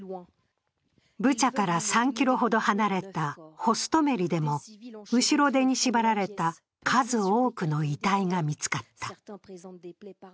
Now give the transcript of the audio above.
ブチャから３ｋｍほど離れたホストメリでも、後ろ手に縛られた数多くの遺体が見つかった。